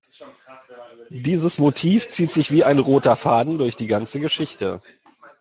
Dieses Motiv zieht sich wie ein roter Faden durch die ganze Geschichte.